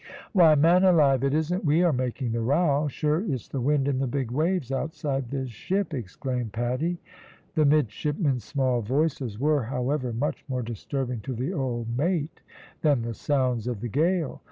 "Why, man alive, it isn't we are making the row, sure it's the wind and the big waves outside the ship," exclaimed Paddy. The midshipmen's small voices were, however, much more disturbing to the old mate than the sounds of the gale.